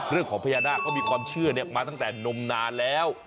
เรื่องของพญานาคเขามีความเชื่อมาตั้งแต่นมนานแล้ว